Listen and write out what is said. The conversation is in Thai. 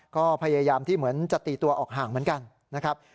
ก็พยายามที่เหมือนจะตีตัวออกห่างเหมือนกันนะครับ